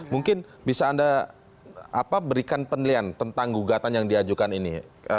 mungkin bisa anda berikan penelian tentang gugatan yang diajukan ini